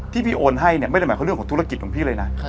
ที่พี่โอนให้เนี่ยไม่ได้หมายเขาเรื่องของธุรกิจของพี่เลยนะ